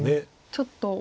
ちょっと。